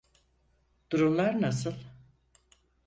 Durumlar nasıl?